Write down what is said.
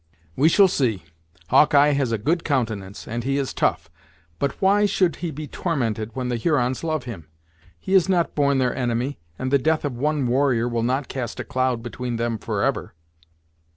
"We shall see. Hawkeye has a good countenance, and he is tough but why should he be tormented, when the Hurons love him? He is not born their enemy, and the death of one warrior will not cast a cloud between them forever."